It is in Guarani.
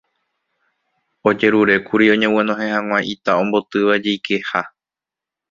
ojerurékuri oñeguenohẽ hag̃ua ita ombotýva jeikeha